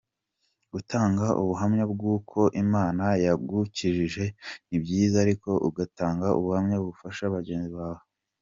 Gutanga ubuhamya bwuko Imana yagukijije ni byiza ariko ugatanga ubuhamya bufasha bagenzi bawe .